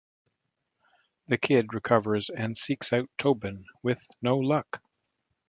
The kid recovers and seeks out Tobin, with no luck.